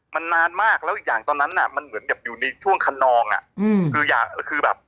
มันนานมากแล้วอีกอย่างตอนนั้นน่ะมันเหมือนกับอยู่ในช่วงคนนองอ่ะอืมคืออย่างคือแบบ